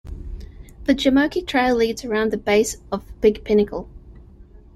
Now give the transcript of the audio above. The Jomeokee Trail leads around the base of Big Pinnacle.